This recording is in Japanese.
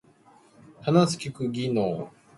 話す聞く技能